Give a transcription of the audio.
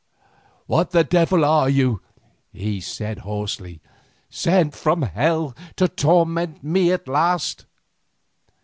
"What devil are you," he said hoarsely, "sent from hell to torment me at the last?"